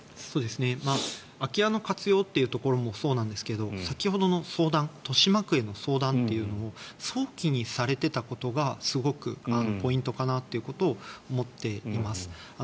空き家の活用というところもそうなんですが先ほどの相談豊島区への相談というところも早期にされていたことがすごくポイントかなということを思っています。